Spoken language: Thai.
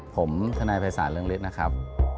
ผมทนายภัยศาลเรืองฤทธิ์นะครับ